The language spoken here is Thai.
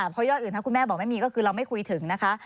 เพราะยอดอื่นถ้าคุณแม่บอกไม่มีก็คือเราไม่คุยถึงนะคะ